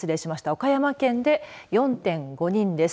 岡山県で４．５人です。